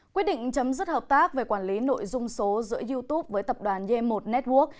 quyết định chấm dứt hợp tác về quản lý nội dung số giữa youtube với tập đoàn g một network